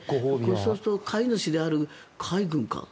そうすると飼い主の海軍か？